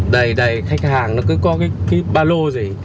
đây đây khách hàng nó cứ có cái ba lô